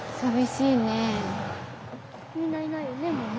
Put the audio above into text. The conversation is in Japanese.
みんないないよね？